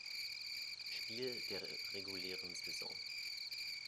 Spiel der regulären Saison.